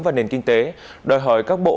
và nền kinh tế đòi hỏi các bộ